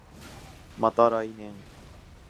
また来年